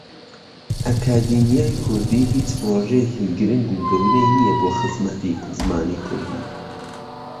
ئەکادیمیای کوردی هیچ پرۆژەیەکی گرنگ و گەورەی نییە بۆ خزمەتی زمانی کوردی.